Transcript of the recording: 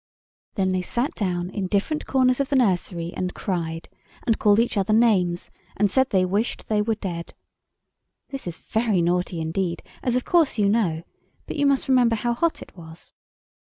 Then they sat down in different corners of the nursery and cried, and called each other names, and said they wished they were dead. This is very naughty indeed, as, of course, you know; but you must remember how hot it was.